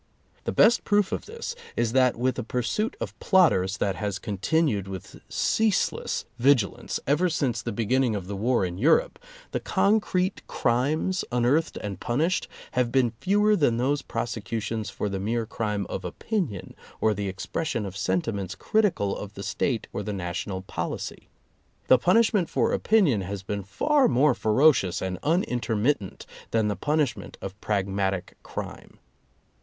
The best proof of this is that with a pursuit of plotters that has continued with ceaseless vigilance ever since the beginning of the war in Europe, the concrete crimes unearthed and punished have been fewer than those prosecutions for the mere crime of opinion or the expression of sentiments critical of the State or the national policy. The punishment for opinion has been far more fero cious and unintermittent than the punishment of pragmatic crime.